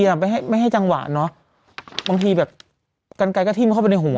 ไม่ให้ไม่ให้จังหวะเนอะบางทีแบบกันไกลก็ทิ้มเข้าไปในหัว